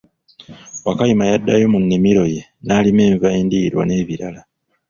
Wakayima yaddayo mu nnimiro ye n'alima enva endiirwa n'ebibala.